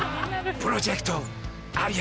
「プロジェクト有吉」。